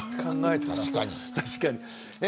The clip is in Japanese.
確かに。